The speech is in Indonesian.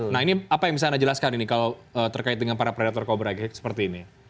nah ini apa yang bisa anda jelaskan ini kalau terkait dengan para predator kobrake seperti ini